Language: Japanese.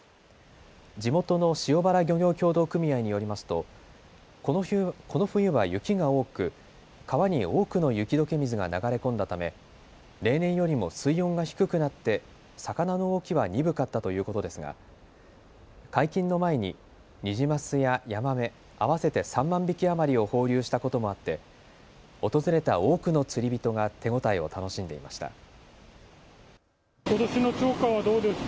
地元の塩原漁業協同組合によりますとこの冬は雪が多く川に多くの雪どけ水が流れ込んだため例年よりも水温が低くなって魚の動きは鈍かったということですが解禁の前にニジマスやヤマメ合わせて３万匹余りを放流したこともあって訪れた多くの釣り人が手応えを楽しんでいました。